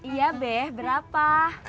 iya beh berapa